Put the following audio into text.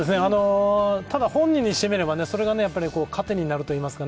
ただ、本人にしてみればそれが糧になるというか。